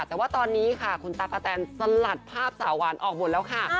แต่ว่าตอนนี้ค่ะคุณตั๊กกะแตนสลัดภาพสาวหวานออกหมดแล้วค่ะ